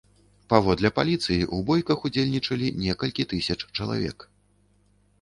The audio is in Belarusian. Паводле паліцыі, у бойках удзельнічалі некалькі тысяч чалавек.